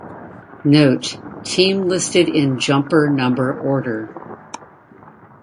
Note: Team listed in jumper number order.